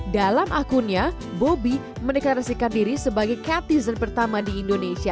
dalam akunnya bobby menekan resikan diri sebagai cat teaser pertama di indonesia